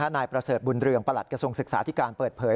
นายประเสริฐบุญเรืองประหลัดกระทรวงศึกษาที่การเปิดเผย